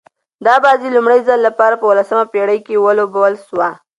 دا بازي لومړی ځل په اوولسمه پېړۍ کښي ولوبول سوه.